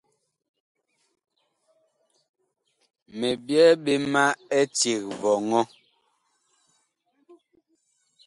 Mi byɛɛ ɓe ma eceg vɔŋɔ.